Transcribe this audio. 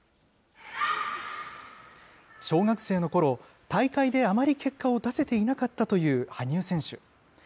小学生のころ、大会であまり結果を出せていなかったという羽生選手。